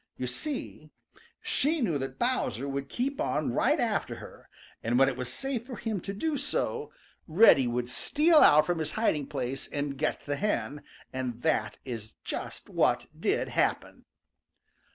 You see, she knew that Bowser would keep on right after her, and when it was safe for him to do so, Reddy would steal out from his hiding place and get the hen, and that is just what did happen.